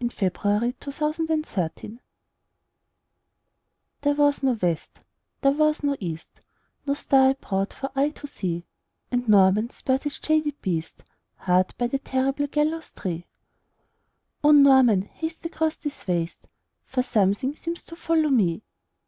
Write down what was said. S T . U V . W X . Y Z The Demon of the Gibbet THERE was no west, there was no east, No star abroad for eye to see; And Norman spurred his jaded beast Hard by the terrible gallows tree. "O Norman, haste across this waste For something seems to follow me!"